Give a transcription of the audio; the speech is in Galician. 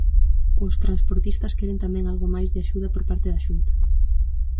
Os transportistas queren tamén algo máis de axuda por parte da Xunta.